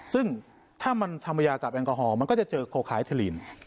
ซึ่งถ้ามันทำวัยยาจากแอลกอฮอล์มันก็จะเจอโคคาไอทาลีน